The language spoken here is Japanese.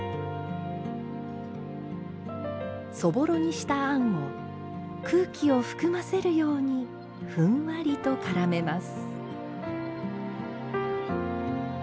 そぼろにした餡を空気を含ませるようにふんわりとからめます。